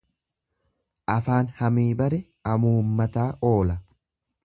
Afaan hamii bare amuummataa oola.